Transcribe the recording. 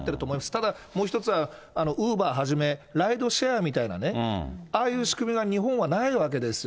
ただもう一つは、Ｕｂｅｒはじめ、ライドシェアみたいなね、ああいう仕組みが日本はないわけですよ。